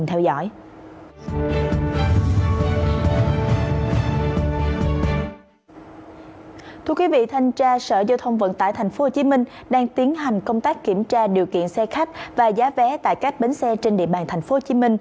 thưa quý vị thanh tra sở giao thông vận tải tp hcm đang tiến hành công tác kiểm tra điều kiện xe khách và giá vé tại các bến xe trên địa bàn tp hcm